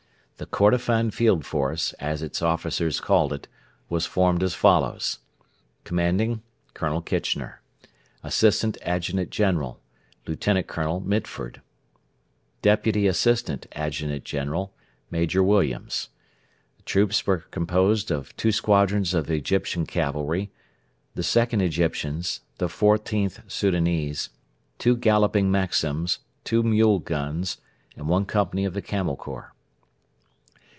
The 'Kordofan Field Force,' as its officers called it, was formed as follows: Commanding: COLONEL KITCHENER Assistant Adjutant General: LIEUT. COLONEL MITFORD Deputy Assistant Adjutant General: MAJOR WILLIAMS Troops: Two squadrons Egyptian Cavalry 2nd Egyptians XIVth Soudanese Two galloping Maxims Two mule guns One company Camel Corps.